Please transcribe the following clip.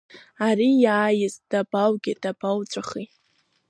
Ари иааиз дабаугеи, дабауҵәахи?